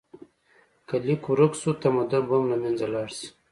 که لیک ورک شو، تمدن به هم له منځه لاړ شي.